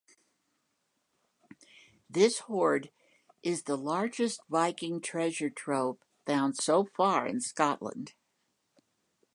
This hoard is the largest Viking treasure trove found so far in Scotland.